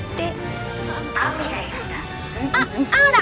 あっ青だ。